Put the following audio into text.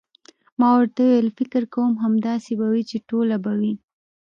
ما ورته وویل: فکر کوم، همداسې به وي، چې ټوله به وي.